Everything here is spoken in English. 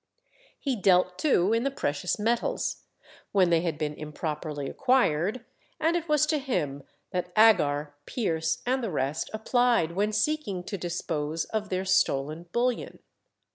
He dealt too in the precious metals, when they had been improperly acquired, and it was to him that Agar, Pierce, and the rest applied when seeking to dispose of their stolen bullion.